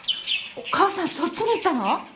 お母さんそっちに行ったの？